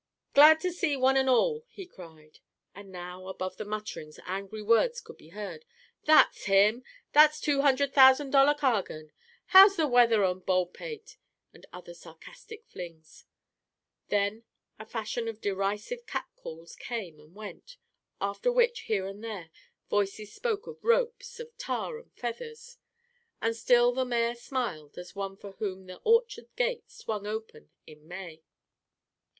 "Glad to see one and all!" he cried. And now above the mutterings angry words could be heard, "That's him," "That's two hundred thousand dollar Cargan," "How's the weather on Baldpate?" and other sarcastic flings. Then a fashion of derisive cat calls came and went. After which, here and there, voices spoke of ropes, of tar and feathers. And still the mayor smiled as one for whom the orchard gate swung open in May.